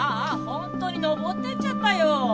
本当に登ってっちゃったよ。